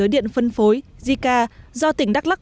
công trình cấp điện cho lưới điện phân phối jica do tỉnh đắk lắc